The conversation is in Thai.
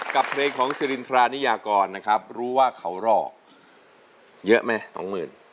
กับเพลงของสิรินทรานิยากรนะครับรู้ว่าเขารอเยอะไหมสองหมื่น